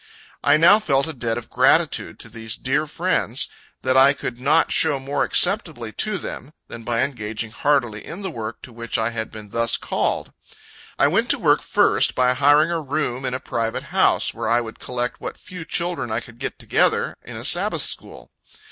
I now felt a debt of gratitude to these dear friends, that I could not show more acceptably to them, than by engaging heartily in the work to which I had been thus called. I went to work, first, by hiring a room in a private house, where I would collect what few children I could get together, in a Sabbath school.